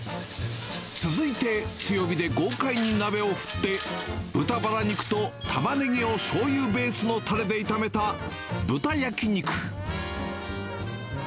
続いて強火で豪快に鍋を振って、豚バラ肉とタマネギをしょうゆベースのたれで炒めた豚焼肉。